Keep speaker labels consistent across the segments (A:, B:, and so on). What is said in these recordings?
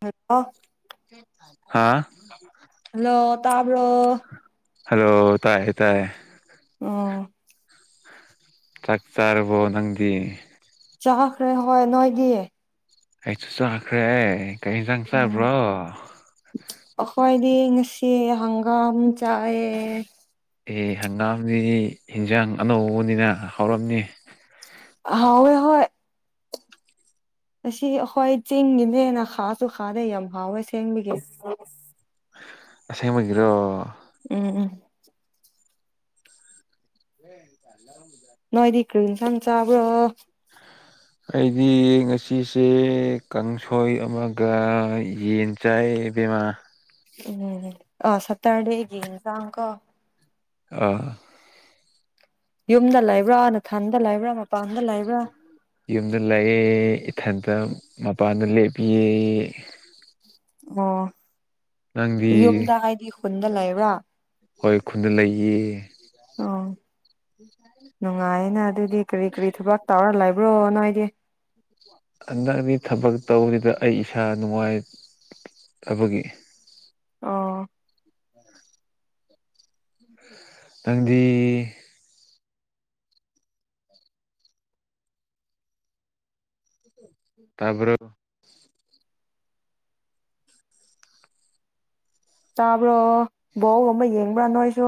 A: hello
B: [unintelligible]
A: hello ꯇꯥꯕ꯭ꯔꯣ
B: hello ꯇꯥꯏ ꯇꯥꯏ
A: ꯑꯣ
B: ꯆꯥꯛ ꯆꯥꯔꯕꯣ ꯅꯪꯗꯤ
A: ꯆꯥꯛꯈ꯭ꯔꯦ ꯍꯣꯏ ꯅꯣꯏꯗꯤ
B: ꯑꯩꯁꯨ ꯆꯥꯈ꯭ꯔꯦ ꯀꯔꯤ ꯌꯦꯟꯁꯥꯡ
A: ꯎꯝ
B: ꯆꯥꯕ꯭ꯔꯣ
A: ꯑꯩꯈꯣꯏꯗꯤ ꯉꯁꯤ ꯍꯪꯒꯥꯝ ꯆꯥꯏꯌ‌ꯦ
B: ꯑꯦ ꯍꯪꯒꯥꯝꯗꯤ ꯏꯟꯖꯥꯡ ꯑꯅꯧꯕꯅꯤꯅ ꯍꯧꯔꯝꯅꯤ
A: ꯍꯥꯎꯋ‌ꯦ ꯍꯣꯏ ꯑꯁꯤ ꯑꯩꯈꯣꯏ ꯆꯤꯡꯒꯤꯅꯦꯅ ꯈꯥꯁꯨ ꯈꯥꯗ‌ꯦ ꯌꯥꯝ ꯍꯥꯎꯋꯦ ꯑꯁ‌ꯦꯡꯕꯒꯤ
B: ꯑꯁꯦꯡꯕꯒꯤꯔꯣ
A: ꯎꯝ ꯎꯝ
B: ꯑꯦ ꯆꯂ꯭ꯔ [unintelligible]
A: ꯀꯔꯤ ꯏꯟꯁꯥꯡ ꯆꯕ꯭ꯔꫭ
B: ꯑꯩꯗꯤ ꯉꯁꯤꯁꯦ ꯀꯥꯡꯁꯣꯏ ꯑꯃꯒ ꯌꯦꯟ ꯆꯥꯏ ꯏꯕꯤꯝꯃꯥ
A: ꯎꯝ ꯑꯥ ꯁꯇꯥꯔꯗ‌ꯦꯒꯤ ꯑꯛꯖꯥꯝ ꯀꯣ
B: ꯑꯥ
A: ꯌꯨꯝꯗ ꯂꯩꯕ꯭ꯔꯥꯅꯊꯟꯗ ꯂꯩꯕ꯭ꯔꯥ ꯃꯄꯥꯟꯗ ꯂꯩꯕ꯭ꯔꯥ
B: ꯌꯨꯝꯗ ꯂꯩꯑ‌ꯦ ꯏꯊꯟꯇ ꯃꯄꯥꯟ ꯗꯥ ꯂꯦꯞꯄꯤꯌ‌ꯦ
A: ꯑꯣ
B: ꯅꯪꯗꯤ
A: ꯌꯨꯝꯗ ꯍꯥꯏꯗꯤ ꯈꯨꯟꯗ ꯂꯩꯕ꯭ꯔꯥ
B: ꯍꯣꯏ ꯈꯨꯟꯗ ꯂꯩꯌꯦ
A: ꯑꯣ ꯅꯨꯡꯉꯥꯏꯌꯦꯅ ꯑꯗꯨꯗꯤ ꯀꯔꯤ ꯀꯔꯤ ꯊꯕꯛ ꯇꯧꯔ ꯂꯕ ꯔꯕꯣ ꯅꯣꯏꯥꯗꯤ
B: ꯍꯟꯗꯛꯇꯤ ꯊꯕꯛ ꯇꯧꯕꯁꯤꯗ ꯑꯩ ꯏꯁꯥ ꯅꯨꯡꯉꯥꯏ ꯇꯕꯒꯤ
A: ꯑꫭ
B: ꯅꯪꯗꯤ ꯇꯥꯕ꯭ꯔꫭ
A: ꯇꯥꯕ꯭ꯔꯣ ꯕꯣꯜ ꯒꯨꯝꯕ ꯌꯦꯡꯕ꯭ꯔꯥ ꯅꯣꯏꯁꯨ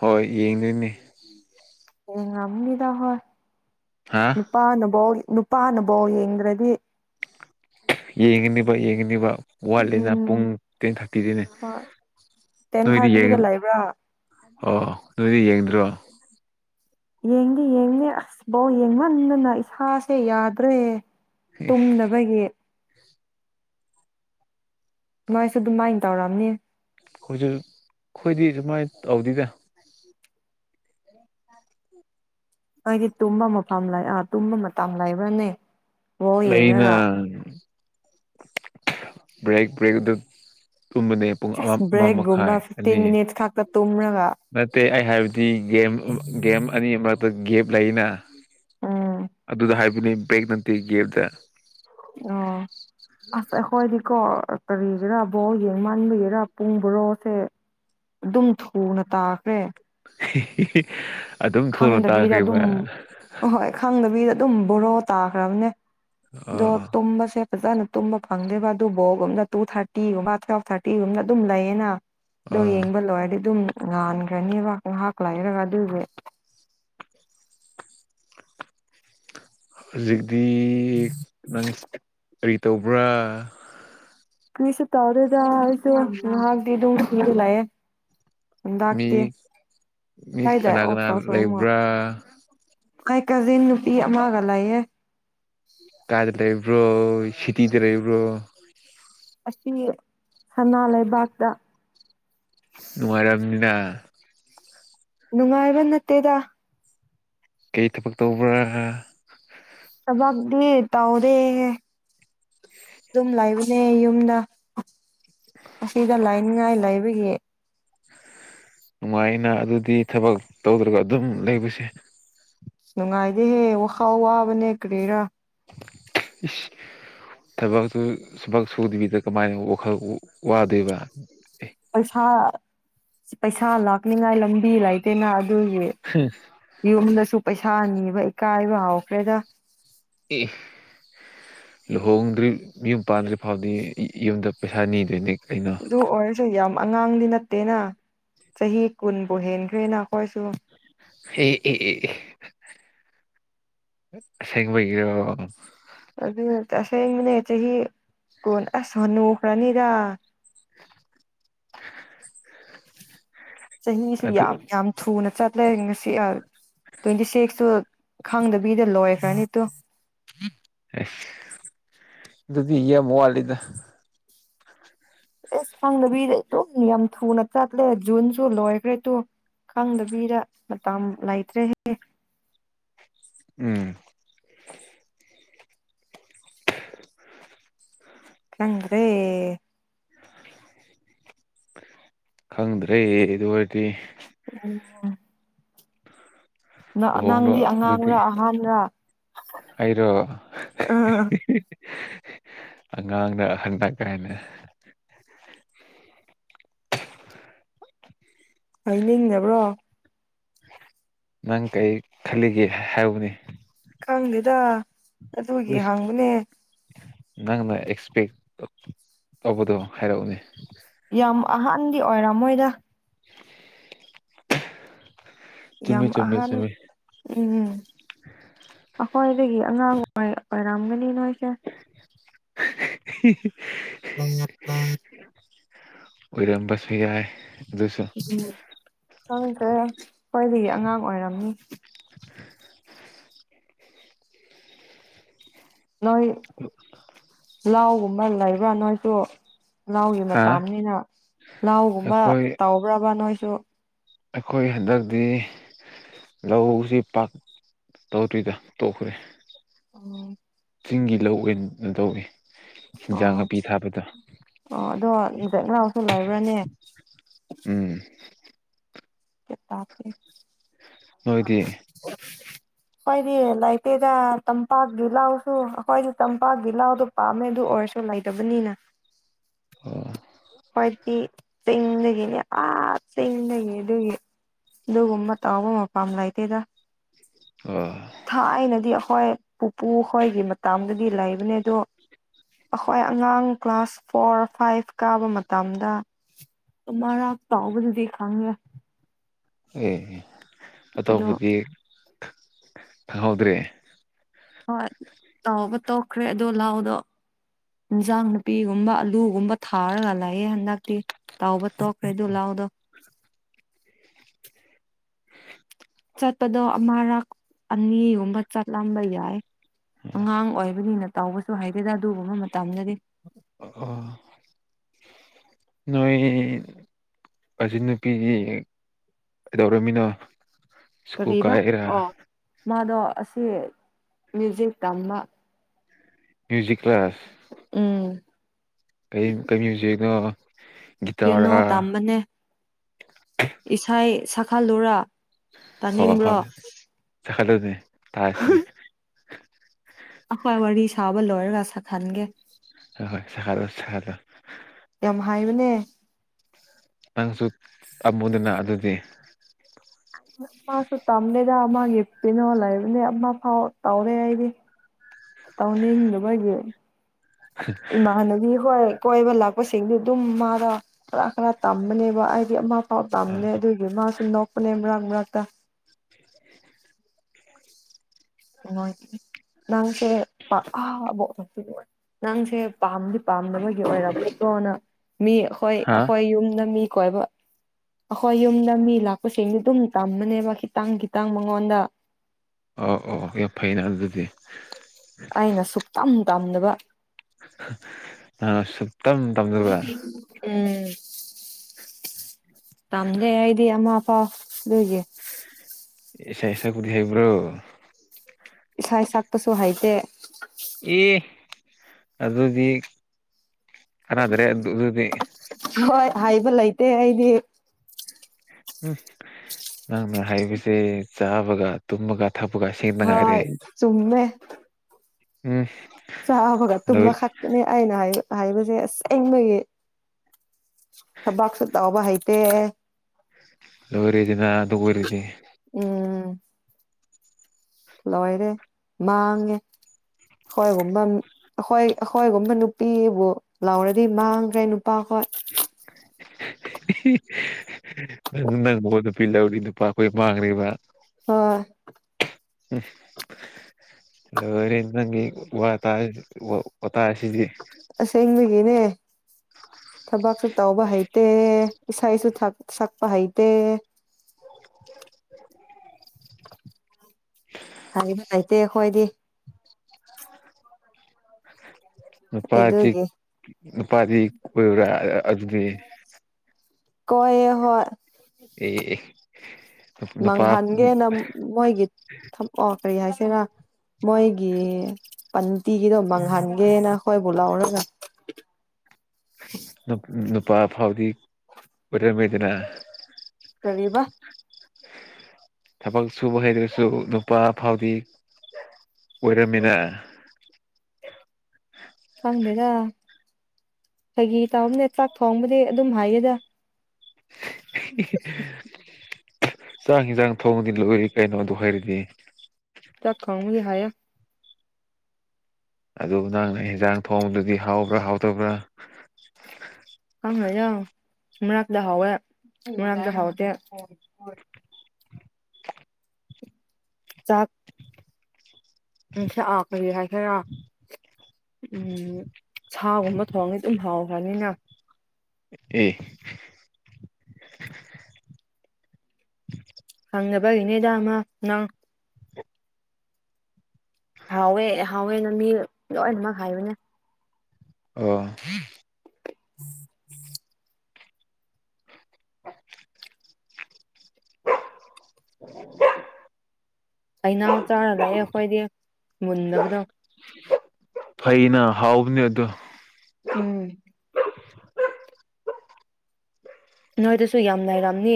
B: ꯍꯣꯏ ꯌꯦꯡꯗꯣꯏꯅꯦ
A: ꯌ‌ꯦꯡꯉꯝꯅꯤꯗ ꯍꫭꯏ
B: ꯍꯥ
A: ꯅꯨꯄꯥꯅ ꯕꫭꯜ ꯅꯨꯄꯥꯅ ꯕꯣꯜ ꯌꯦꯡꯗ꯭ꯔꯗꯤ
B: ꯌꯦꯡꯉꯅꯤꯕ ꯌꯦꯡꯉꯅꯤꯕ ꯋꯥꯠꯂꯤꯅ ꯄꯨꯡ
A: ꯎꯝ
B: ꯇ꯭ꯋꯦꯟ ꯊꯥꯔꯇꯤꯗꯅꯦ
A: ꯍꯣꯏ ꯇꯦꯟ
B: ꯅꯣꯏꯗꯤ ꯌꯦꯡ
A: ꯊꯥꯔꯇꯤꯗ ꯂꯩꯕ꯭ꯔꯥ
B: ꯑꯣ ꯅꯣꯏꯗꯤ ꯌꯦꯡꯗ꯭ꯔꯣ
A: ꯌꯦꯡꯗꯤ ꯌꯦꯡꯅꯦ ꯑꯁ ꯕ‌‌ꫭꯜ ꯌꯦꯡꯃꯟꯗꯅ ꯏꯁꯥꯁꯦ ꯌꯥꯗ꯭ꯔꯦ ꯇꯨꯝꯗꯕꯒꯤ ꯅꯣꯏꯁꯨ ꯑꯗꯨꯃꯥꯏꯅ ꯇꯧꯔꯝꯅꯤ
B: ꯑꯈꫭꯏꯁꯨ ꯑꯩꯈꯣꯏꯗꯤ ꯑꯗꯨꯃꯥꯏꯅ ꯇꯧꯗꯦꯗꯥ
A: ꯑꯩꯗꯤ ꯇꯨꯝꯕ ꯃꯐꯝ ꯑꯥ ꯇꯨꯝꯕ ꯃꯇꯝ ꯂꯩꯕ꯭ꯔꯥꯅꯦ ꯕꯣꯜ
B: ꯂꯩꯅ
A: ꯌꯦꯡꯔꯒ
B: ꯕ꯭ꯔꯦꯛ ꯕ꯭ꯔꯦꯛ ꯑꯗ ꯇꯨꯝꯕꯅꯦ ꯄꯨꯡ ꯑꯃ
A: ꯖꯁ
B: ꯑꯃ
A: ꯕ꯭ꯔꯦꯛꯒꯨꯝꯕ
B: ꯃꯈꯥꯏ
A: ꯐꯤꯐꯇꯤꯟ
B: ꯑꯅꯤ
A: ꯃꯤꯅꯤꯠꯁ ꯈꯛꯇ ꯇꯨꯝꯔꯒ
B: ꯅꯠꯇꯦ ꯑꯩ ꯍꯥꯏꯕꯗꯤ ꯒꯦꯝ ꯒꯦꯝ ꯑꯅꯤ ꯃꯔꯛꯇ ꯒꯦꯞ ꯂꯩꯅ
A: ꯎꯝ
B: ꯑꯗꯨꯗ ꯍꯥꯏꯕꯅꯦ ꯕꯦꯛ ꯅꯠꯇ ꯒ‌ꯦꯝꯗ
A: ꯑꯣ ꯑꯁ ꯑꯈꯣꯏꯗꯤ ꯀꯣ ꯀꯔꯤꯒꯤꯔꯥ ꯕꯣꯜ ꯌꯦꯡ ꯃꯥꯟꯥꯟꯕꯒꯦꯔꯥ ꯄꯨꯡ ꯕꯣꯔꯣꯁꯦ ꯑꯗꯨꯝ ꯊꯨꯅ ꯇꯥꯈ꯭ꯔꯦ
B: ꯍ [unintelligible] [inaudible]
A: ꯈꯪꯗꯕꯤꯗ ꯑꯗꯨꯝ ꯍꯣꯏ ꯈꯪꯗꯕꯤꯗ ꯑꯗꯨꯝ ꯕꯣꯔꯣ ꯇꯥꯈ꯭ꯔꯕꯅꯦ ꯑꯗꯣ
B: ꯑꯥ
A: ꯇꯨꯝꯕꯁꯦ ꯐꯖꯅ ꯇꯨꯝꯕ ꯐꯪꯗꯦꯕ ꯑꯗꯨ ꯕꯣꯒꯨꯝꯕꯅ ꯇꯨ ꯊꯥꯔꯇꯤꯒꯨꯝꯕ ꯇꯨꯋꯦꯜꯐ ꯊꯥꯔꯇꯤꯒꯨꯝꯕꯅ ꯑꯗꯨꯝ ꯂꯩꯌꯦꯅ ꯑꯗꯣ
B: ꯑꯥ
A: ꯌꯦꯡꯕ ꯂꯣꯏꯔꯗꯤ ꯑꯗꯨꯝ ꯉꯥꯟꯈ꯭ꯔꯅꯦꯕ ꯉꯥꯏꯍꯥꯛ ꯂꯥꯏꯔꯒ ꯑꯗꯨꯏꯁꯦ
B: ꯍꯧꯖꯤꯛꯇꯤ ꯅꯪ ꯀꯔꯤ ꯇꯧꯕ꯭ꯔꯥ
A: ꯀ꯭ꯔꯤꯁ ꯇꯧꯔꯦꯗꯁꯨ ꯃꯗꯤꯗꯨ ꯎ ꯂꯌꯦ
B: ꯃꯤ
A: ꯍꯗꯥꯛꯇ
B: ꯃꯤ
A: ꯇꯥꯏꯗ
B: ꯀꯅꯥ ꯀꯅꯥ
A: ꯑꯣꯁꯁꯨꯣ ꯑꯃ
B: ꯂꯩꯕ꯭ꯔꯥ
A: ꯀ ꯀꯖꯤꯟ ꯅꯨꯄꯤꯃꯒꯂꯏꯌꯦ
B: ꯀꯥꯗ ꯂꯩꯕ꯭ꯔꯣ ꯁꯤꯇꯤꯗ ꯂꯩꯕ꯭ꯔꯣ
A: ꯑꯁꯤ ꯁꯅꯥ ꯂꯩꯕꯥꯛꯇ
B: ꯅꯨꯡꯉꯥꯏꯔꯕꯅꯤꯅ
A: ꯅꯨꯡꯉꯥꯏꯕ ꯅꯠꯇꯦꯗ
B: ꯀꯩ ꯊꯕꯛ ꯇꯧꯕ꯭ꯔꯥ
A: ꯆꯕꯗꯤ ꯇꯥꯎꯗꯦ ꯑꯗꯨꯝ ꯂꯩꯕꯅꯦ ꯌꯨꯝꯗ ꯑꯁꯤꯗ ꯂꯥꯏꯅꯤꯡꯉꯥꯏ ꯂꯩꯥꯏꯕꯒꯤ
B: ꯅꯨꯡꯉꯥꯏꯅ ꯑꯗꯨꯗꯤ ꯊꯕꯛ ꯇꯧꯗ꯭ꯔꯒ ꯑꯗꯨꯝ ꯂꯩꯕꯁꯦ
A: ꯅꯨꯡꯉꯥꯏꯗꯦꯍꯦ ꯋꯥꯈꯥꯎ ꯋꯥꯕꯅꯦ ꯀꯔꯤꯦꯔꯥ
B: ꯏꯁ ꯊꯕꯛꯇꯨ ꯊꯕꯛ ꯁꯨꯗꯕꯤꯗ ꯀꯃꯥꯏꯅ ꯋꯥꯈꯜ ꯋꯥꯗꯣꯏꯕ
A: ꯄꯩꯁꯥ ꯄꯩꯁꯥ ꯂꯥꯛꯅꯤꯉꯥꯏ ꯂꯝꯕꯤ ꯂꯩꯇꯦꯅ ꯑꯗꯨꯒꯤ
B: ꯑꯦ
A: ꯌꯨꯝꯗꯁꯨ ꯄꯩꯁꯥ ꯅꯤꯕ ꯏꯀꯥꯏꯕ ꯍꯧꯥꯎꯈ꯭ꯔꯦꯗ
B: ꯑꯦ ꯂꯨꯍꯣꯡꯗ꯭ꯔꯤ ꯌꯨꯝ ꯄꯥꯟꯗ꯭ꯔꯤ ꯐꯥꯎꯗꯤ ꯌꯨꯝꯗ ꯄꯩꯁꯥ ꯅꯤꯗꯣꯏꯅꯤ ꯀꯩꯅꯣ
A: ꯑꯗꯨ ꯑꯣꯏꯔꯁ ꯌꯥꯝ ꯑꯉꯥꯡꯗꯤ ꯅꯠꯇꯦꯅ ꯆꯍꯤ ꯀꯨꯟꯕꯨ ꯍꯦꯟꯈ꯭ꯔꯦꯅ ꯑꯩꯈꯣꯏꯁꯨ
B: ꯑꯦ ꯑꯦ ꯑꯦ ꯑꯦ ꯁꯦꯡꯕꯒꯤꯔꯣ
A: ꯑꯗꯨꯁꯦꯡ ꯃꯅꯦ ꯆꯍꯤ ꯀꯣꯟ ꯑꯁꯅꯨꯈ꯭ꯔꯅꯤꯗ
B: [unintelligible]
A: ꯆꯍꯤꯁꯨ
B: ꯑꯗꯨ
A: ꯌꯥꯝ ꯌꯥꯝ ꯊꯨꯅ ꯆꯠ ꯂꯩ ꯉꯁꯤ ꯇ꯭ꯋꯦꯟꯇꯤ ꯁꯤꯛꯁꯇꯨ ꯈꯪꯗꯕꯤꯗ ꯂꯣꯏꯈ꯭ꯔꯅꯤꯠꯇꯣ
B: ꯑꯗꯨꯗꯤ ꯌꯦ ꯃꯋꯥꯂꯤꯗ
A: ꯑꯦꯁ ꯐꯪꯗꯕꯤꯗ ꯑꯗꯨꯝ ꯌꯥꯝ ꯊꯨꯅ ꯆꯠꯂꯦ ꯖꯨꯟꯁꯨ ꯂꯣꯏꯈ꯭ꯔꯦ ꯇꯣ ꯈꯪꯗꯕꯤꯔ ꯃꯇꯝ ꯂꯩꯇ꯭ꯔꯦꯍꯦ
B: ꯎꯝ
A: ꯆꯗ꯭ꯔꯦ
B: ꯈꯪꯗ꯭ꯔꯦ ꯑꯗꯨ ꯑꯗꯨ ꯑꯣꯏꯔꯗꯤ
A: ꯑꯣꯝ
B: ꯂꯨꯍꯣꯡꯗꯣ
A: ꯅꯪꯗꯤ
B: ꯑꯗꯨꯗꯤ
A: ꯑꯉꯥꯡꯔꯥ ꯑꯍꯥꯟꯕꯔꯥ
B: ꯑꯩꯔꯣ ꯑꯉꯥꯡꯅꯍꯟꯗꯛ ꯀꯥꯏꯅ
A: ꯑꯩ ꯅꯤꯡꯕ꯭ꯔꯣ
B: ꯅꯪ ꯀꯔꯤ ꯈꯜꯂꯤꯒꯦ ꯍꯥꯏꯕꯅꯤ
A: ꯈꯪꯗꯦꯗ ꯑꯗꯨꯒꯤ
B: ꯎꯏꯁ
A: ꯍꯥꯡꯕꯅꯦ
B: ꯅꯪꯅ ꯑꯦꯛꯁꯄꯦꯛ ꯇꯧꯕꯗꯣ ꯍꯥꯏꯔꯛꯎꯅꯦ
A: ꯌꯥꯝ ꯑꯍꯟꯗꯤ ꯑꯣꯏꯔꯝꯃꯣꯏꯗ
B: [inaudible] ꯆꯨꯝꯃꯤ
A: ꯌꯥꯝ
B: ꯆꯨꯝꯃꯤ
A: ꯑꯍꯥꯟ
B: ꯆꯨꯝꯃꯤ
A: ꯎꯝ ꯑꯩꯈꯣꯏ ꯑꯩꯗꯒꯤ ꯑꯉꯥꯡꯉꯥꯏ ꯑꯣꯏꯔꯝꯒꯅꯤ ꯅꯣꯏꯁꯦ
B: [unintelligible] ꯎꯔꯝꯕꯁꯨꯌꯥꯦ
A: ꯎꯪ ꯀꯔ ꯈ꯭ꯋꯥꯏꯗꯒꯤ ꯑꯉꯥꯡ ꯑꯣꯏꯔꯝꯅꯤ ꯅꯣꯏ ꯂꯧꯒꯨꯝꯕ ꯂꯩꯕ꯭ꯔꯥ ꯅꯣꯏꯁꯨ ꯂꯧꯒꯤ
B: ꯍꯥ
A: ꯃꯇꯥꯅꯤꯅ ꯂꯎꯒꯨꯝꯕ
B: ꯑꯩꯈꯣꯏ
A: ꯇꯥꯎꯕ꯭ꯔꯕ ꯅꯣꯏꯁꯨ
B: ꯑꯩꯈꯣꯏ ꯍꯟꯗꯛꯇꯤ ꯂꯧꯁꯤ ꯄꯥꯛ ꯇꯧꯗꯔꯤꯗ ꯇꯣꯛꯈ꯭ꯔꯦ
A: ꯎꯝ
B: ꯆꯤꯡꯒꯤ ꯂꯧ ꯑꯣꯏꯅ ꯇꯧꯏꯤ
A: ꯑꯣ ꯑꯣ ꯑꯗꯣꯗ ꯏꯅꯥꯎꯁꯨ ꯂꯩꯕ꯭ꯔꯥꯅꯦ
B: ꯎꯝ
A: ꯆꯇꯥꯁ
B: ꯅꯣꯏꯗꯤ
A: ꯑꯩꯏꯗꯤ ꯂꯩꯥꯏꯇꯦꯗ ꯇꯝꯄꯥꯛꯒꯤ ꯂꯥꯎꯁꯨ ꯑꯩꯈꯣꯏꯗꯤ ꯇꯝꯄꯥꯛꯀꯤ ꯂꯥꯎꯗꯣ ꯄꯥꯝꯃꯦ ꯑꯗꯨ ꯑꯣꯏꯔꯁꯨ ꯂꯩꯇꯕꯅꯤꯅ
B: ꯑꯣ
A: ꯑꯩꯈꯣꯢꯗꯤ ꯆꯤꯡꯗꯒꯤꯅꯦ ꯆꯤꯡꯗꯒꯤ ꯑꯗꯨꯒꯤ ꯑꯗꯨꯒꯨꯝꯕ ꯇꯧꯕ ꯃꯐꯝꯂꯩꯇꯦꯗ
B: ꯑꯣ
A: ꯊꯥꯏꯅꯗꯤ ꯑꯩꯈꯣꯏ ꯄꯨꯄꯨꯈꯣꯏꯒꯤ ꯃꯇꯥꯡꯒꯗꯤ ꯂꯩꯕꯅꯦ ꯑꯗꯣ ꯑꯩꯈꯣꯏ ꯑꯉꯥꯡ ꯀ꯭ꯂꯥꯁ ꯐꯣꯔ ꯐꯥꯏꯚ ꯀꯥꯕ ꯃꯇꯝꯗ ꯃꯔꯥꯛ ꯆꯥꯎꯕꯗꯨꯗꯤ ꯈꯡꯢ
B: ꯑꯦ
A: ꯑꯗꯣ
B: ꯑꯇꯣꯞꯄꯗꯤ ꯈꯪꯍꯧꯗ꯭ꯔꯦ
A: ꯍꯣꯏ ꯇꯧꯕ ꯇꯣꯛꯈ꯭ꯔꯦ ꯑꯗ ꯂꯥꯎꯗꯣ ꯏꯟꯁꯥꯡ ꯅꯄꯤꯒꯨꯝꯕ ꯑꯂꯨꯒꯨꯝꯕ ꯊꯥꯔꯒ ꯂꯩꯌꯦ ꯍꯟꯗꯛꯇꯤ ꯇꯥꯎꯕ ꯇꯣꯛꯈ꯭ꯔꯦ ꯑꯗꯨ ꯂꯥꯎꯗꯣ ꯆꯠꯄꯗꯣ ꯑꯃꯔꯛ ꯑꯅꯤꯒꯨꯝꯕ ꯆꯠꯂꯝꯕ ꯌꯥꯏ ꯑꯉꯥꯡ ꯑꯣꯏꯕꯅꯤꯅ ꯇꯥꯎꯕꯁꯨ ꯍꯥꯏꯗꯦꯗ ꯑꯗꯨꯒꯨꯝꯕ ꯃꯇꯝꯗꯗꯤ
B: ꯑ ꯅꯣꯏ ꯑꯁꯤꯆ ꯅꯨꯨꯄꯤꯒꯤ ꯀꯩꯗꯧꯔꯝꯃꯤꯅꯣ ꯁꯨꯀꯨ
A: ꯀꯔꯤꯕ
B: ꯀꯥꯏꯑꯔꯥ
A: ꯑꯣ ꯃꯥꯗꯣ ꯑꯁꯤ ꯃ꯭ꯌꯨꯖꯤꯛ ꯇꯝꯕ
B: ꯃꯌꯨꯖꯤꯛ ꯀ꯭ꯂꯥꯁ
A: ꯎꯝ
B: ꯀ ꯀꯔꯤ ꯃ꯭ꯌꯨꯖꯤꯛꯅꯣ ꯒꯤꯇꯥꯔꯥ
A: ꯏꯁꯥꯏ ꯁꯜꯍꯜꯂꯨꯔꯥ
B: ꯍ ꯍꯣꯏ ꯁꯛꯍꯜꯂꯨꯅꯦꯇꯥꯁꯤꯅꯦ
A: ꯑꯩꯈꯣꯏ ꯋꯥꯔꯤ ꯁꯥꯕ ꯂꯣꯏꯔꯒ ꯁꯛ ꯈꯟꯒꯦ
B: ꯍ ꯍꯣꯏ ꯁꯗꯣ ꯁꯗꯣ
A: ꯌꯥꯝ ꯍꯥꯏꯕꯅꯦ
B: ꯅꯪꯁꯨ ꯇꯝꯃꯨꯗꯅ ꯑꯗꯨꯗꯤ
A: ꯃꯥꯁꯨ ꯇꯝꯂꯦꯗ ꯃꯥꯒꯤ ꯄꯤꯅꯣ ꯂꯩꯕꯅꯦ ꯑꯃ ꯐꯥꯎ ꯇꯧꯔꯦ ꯑꯩꯗꯤ ꯇꯧꯅꯤ ꯍꯗꯕꯒꯤ ꯃꯅꯗꯤ ꯍꯣꯏ ꯀꯣꯏꯕ ꯂꯥꯛꯄꯁꯤꯡꯗꯤ ꯑꯗꯨꯝ ꯃꯥꯗ ꯈꯔ ꯈꯔ ꯇꯝꯕꯅꯦꯕ ꯍꯥꯏꯗꯤ ꯑꯃ ꯄꯥꯎ ꯄꯥꯝꯅꯦ ꯑꯗꯨꯏꯒꯤ ꯃꯥ ꯁꯨꯝ ꯅꯣꯛꯄꯅꯦ ꯃꯔꯥꯛ ꯃꯔꯥꯛꯛꯇ
B: [unintelligible]
A: ꯍ ꯅꯪꯁꯦ ꯄꯥꯛꯥꯕ ꯅꯪꯁꯦ ꯄꯥꯝꯗꯤ ꯄꯥꯝꯅꯕꯣꯏꯒꯤ ꯑꯣꯏꯔꯕꯠꯇꯣꯅ ꯃꯤ ꯍꯈꯣꯏ
B: ꯍꯥ
A: ꯑꯩꯈꯣꯏ ꯌꯨꯝꯗ ꯃꯤ ꯀꯣꯏꯕ ꯑꯩꯈꯣꯏ ꯌꯨꯝꯗ ꯃꯤ ꯂꯥꯛꯄꯁꯤꯡꯗꯤ ꯑꯗꯨꯝ ꯇꯝꯕꯅꯦꯕ ꯈꯤꯇꯪ ꯈꯤꯇꯪ ꯃꯉꯣꯟꯗ
B: ꯑꯣ ꯑꯣ ꯌꯥꯝ ꯐꯩꯅꯦ ꯑꯗꯨꯗꯤ
A: ꯑꯩꯅ ꯁꯨꯛ ꯇꯝ ꯇꯝꯗꯕ
B: ꯑꯁꯝ
A: ꯎꯝ ꯇꯝꯒꯦ ꯑꯩꯗꯤ ꯑꯥ ꯑꯄꯥꯥꯎ ꯑꯗꯨꯒꯤ
B: ꯑꯦꯁ ꯑꯦꯁꯥ ꯀꯗꯤ ꯍꯥꯏꯩꯕ꯭ꯔꯣ
A: ꯁꯥꯏ ꯁꯛꯄꯁꯨ ꯍꯥꯏꯩꯇꯦ
B: ꯏ ꯑꯗꯨꯗꯤ ꯑꯔꯗ꯭ꯔꯦ ꯑꯗꯨ ꯑꯗꯨꯗꯤ
A: ꯍꯣꯏ ꯍꯥꯏꯕ ꯂꯩꯇꯦ ꯑꯩꯗꯤ
B: ꯎꯝ ꯅꯪꯅ ꯍꯥꯏꯕꯁꯦ ꯆꯥꯕꯒ ꯇꯨꯝꯃꯒ
A: ꯍꯣꯏ ꯆꯨꯝꯃꯦ
B: ꯎꯝ
A: ꯆꯥꯕꯒ
B: ꯂꯣꯏ
A: ꯇꯨꯝꯃ ꯈꯥꯛꯛꯇꯅꯦ ꯑꯥꯏꯅ ꯍꯥꯏꯕ ꯍꯥꯏꯕꯁꯦ ꯑꯁꯦꯡꯕꯒꯤ ꯊꯕꯥꯛꯁꯨ ꯇꯥꯎꯕ ꯍꯩꯇꯦ
B: ꯂꯔꯤꯁꯤꯅ ꯑꯗꯨꯔꯤꯗꯤ
A: ꯎꯝ ꯂꯣꯏꯔꯦ ꯃꯥꯡꯉꯦ ꯑꯩꯈꯣꯏꯒꯨꯝꯕ ꯑꯩꯈꯣꯏ ꯑꯩꯈꯣꯏꯒꯨꯝꯕ ꯅꯨꯄꯤꯕꯨ ꯂꯥꯎꯔꯗꯤ ꯃꯥꯡꯈ꯭ꯔꯦ ꯄꯈꯠ
B: ꯅꯪ ꯅꯪ ꯃꯣꯟ ꯅꯨꯄꯤ ꯂꯧꯔꯤ ꯅꯨꯄꯥ ꯑꯩꯈꯣꯏ ꯃꯥꯡꯈ꯭ꯔꯤꯕ
A: ꯍꯣꯏ
B: ꯎꯝ ꯂꯣꯏꯔ ꯏ ꯋꯥ ꯇꯥ
A: ꯑꯁ ꯍꯃꯤꯒꯅꯦ ꯊꯕꯛꯁꯨ ꯇꯧꯕ ꯍꯩꯇꯦ ꯏꯁꯩꯁꯨ ꯁꯛꯄ ꯍꯩꯇꯦ ꯍꯥꯏꯗꯤ ꯂꯩꯇꯦ ꯑꯩꯈꯣꯏꯗꯤ
B: ꯅꯨꯄꯥꯗꯤ
A: ꯑꯗꯨꯒꯤ
B: ꯅꯨꯄꯥꯗꯤ ꯀꯣꯏꯕ꯭ꯔꯥ ꯑꯗꯨꯗꯤ
A: ꯀꯣꯏ ꯍꯣꯏ
B: ꯑꯦ ꯅꯨꯄꯥ
A: ꯃꯪꯍꯟꯒꯦꯅ ꯃꯣꯏꯒꯤ ꯊ ꯑꯣ ꯀꯔꯤ ꯍꯥꯏꯁꯤꯔꯥ ꯃꯣꯏꯒꯤ ꯄꯟꯇꯤꯒꯤꯗꯣ ꯃꯥꯡꯍꯟꯒꯦꯅ ꯑꯩꯈꯣꯏꯕꯨ ꯂꯧꯔꯒ ꯎꯝ
B: ꯅꯨꯄꯥ ꯐꯥꯎꯗꯤ ꯑꯣꯏꯔꯝꯃꯦꯗꯅ
A: ꯀꯂꯤꯕ
B: ꯊꯕꯛ ꯁꯨꯕ ꯍꯩꯗ꯭ꯔꯁꯨ ꯅꯨꯄꯥ ꯐꯥꯎꯗꯤ ꯑꯣꯏꯔꯃꯤꯅ
A: ꯈꯪꯗꯦꯗ ꯐꯩꯒꯤ ꯇꯥꯔꯝꯅꯦ ꯆꯥꯛ ꯊꯣꯡꯕꯗꯤ ꯑꯗꯨꯝ ꯍꯥꯏꯌꯦꯗ
B: [unintelligible] ꯆꯥꯛ ꯌꯦꯟꯁꯥꯡ ꯊꯣꯡꯗꯤ ꯂꯣꯏꯏ ꯀꯩꯅꯣꯗ ꯍꯥꯏꯔꯗꯤ
A: ꯆ ꯀꯥꯉꯒꯤ ꯍꯥꯏ
B: ꯑꯗꯨꯕꯨ ꯅꯪꯅ ꯏꯟꯖꯥꯡ ꯊꯣꯡꯕꯗꯨꯗꯤ ꯍꯥꯎꯕ꯭ꯔꯥ ꯍꯥꯎꯇꯕ꯭ꯔꯥ
A: ꯀꯪꯉ ꯌꯥꯣ ꯃꯔꯛꯇꯗ ꯍꯥꯎꯋꯦ ꯃꯔꯇ ꯍꯥꯎꯇꯦ ꯆꯥꯛ ꯑꯁ ꯑ ꯈꯔꯤ ꯍꯥꯏ ꯐꯔ ꯎꯝ ꯁꯥꯒꯨꯝꯕ ꯊꯣꯡꯗꯤ ꯑꯗꯨꯝ ꯍꯥꯎꯈ꯭ꯔꯅꯤꯅ
B: ꯑꯦ
A: ꯈꯪꯅꯕꯒꯤꯅꯦꯗꯃ ꯅꯪ ꯍꯥꯎꯋꯦ ꯍꯥꯎꯋꯦꯅ ꯃꯤ ꯂꯣꯏꯅꯃꯛ ꯍꯥꯏꯕꯅꯦ
B: ꯑꯣ
A: ꯎꯝ ꯎꯝ ꯑꯩꯅꯥꯎ ꯆꯥꯔ ꯂꯥꯛꯑꯦ ꯑꯩꯈꯣꯏꯗꯤ ꯃꯨꯟꯗꯕꯗꯣ
B: ꯐꯩꯅ ꯍꯥꯎꯕꯅꯦ ꯑꯗꯣ
A: ꯎꯝ ꯅꯣꯏꯗꯁꯨ ꯌꯥꯝ ꯂꯩꯥꯏꯔꯝꯅꯤ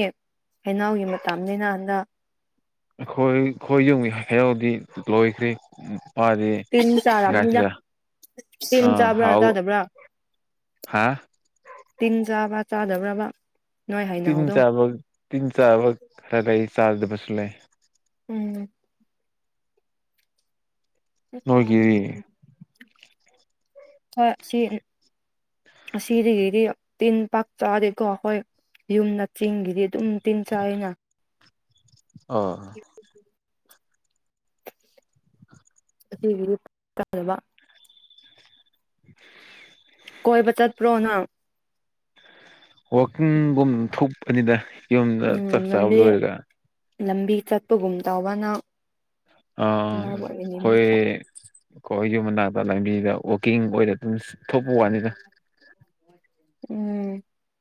A: ꯍꯩꯅꯥꯎꯒꯤ ꯃꯇꯅꯦꯅ ꯍꯥꯟꯗ
B: ꯈꯣꯏ ꯈꯣꯏ ꯌꯨꯝꯈ ꯌꯥꯎꯗꯤ ꯂꯣꯏꯈ꯭ꯔꯦ
A: ꯇꯤꯟ ꯆꯥꯔꯝꯅꯤꯗ
B: ꯍꯗꯤꯥꯏꯁꯤꯔ
A: ꯇꯤꯟ
B: ꯑ
A: ꯆꯥꯕ꯭ꯔꯥ
B: ꯍꯥꯎ
A: ꯆꯥꯗꯕ꯭ꯔꯥ
B: ꯍꯥꯥ
A: ꯇꯤꯟ ꯆꯥꯕ ꯆꯥꯗꯕ꯭ꯔꯕ ꯅꯣꯏ
B: ꯇꯤꯟ
A: ꯍꯩꯅꯧꯗꯣ
B: ꯆꯕꯒ ꯇꯤꯟ ꯆꯕꯒ ꯈꯔꯗ ꯑꯩ ꯆꯗꯕꯁꯂꯦ
A: ꯎꯝ
B: ꯅꯣꯏꯒꯤꯗꯤ
A: ꯍ ꯁꯤ ꯑꯁꯤꯗꯒꯤꯗꯤ ꯇꯤꯟ ꯄꯥꯛ ꯆꯥꯗꯦꯀꯣ ꯑꯩꯈꯣꯏ ꯌꯨꯝꯅ ꯆꯤꯡꯒꯤꯗꯤ ꯑꯗꯨꯝ ꯇꯤꯟ ꯆꯥꯏ ꯑꯣꯏꯅ
B: ꯑ
A: [unintelligible] ꯑꯁꯤꯒꯤꯗꯤ ꯐꯖꯕ
B: [unintelligible]
A: ꯀꯣꯏꯕ ꯆꯠꯄ꯭ꯔꯣ ꯅꯪ
B: ꯋꯥꯛꯀꯤꯡꯒꯨꯝ ꯊꯣꯛꯄꯅꯤꯗ ꯌꯨꯝꯗ
A: ꯎꯝ
B: ꯆꯥꯛ ꯆꯥꯕ
A: ꯂꯝꯕꯤ
B: ꯂꯣꯏꯔꯒ
A: ꯂꯝꯕꯤ ꯆꯠꯄꯒꯨꯝ ꯇꯧꯕꯅ
B: ꯑ ꯍꯣꯏ ꯀꯣꯏꯁꯨ ꯃꯅ ꯂꯝꯕꯤꯗ ꯋꯥꯛꯀꯤꯡ ꯑꯣꯏꯔ ꯑꯗꯨꯝ ꯊꯣꯛꯄ ꯋꯥꯅꯤꯗ
A: ꯎꯝ